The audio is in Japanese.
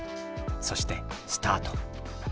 そしてスタート。